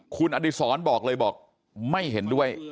คุณอดีศรบอกเลยบอกไม่เห็นด้วย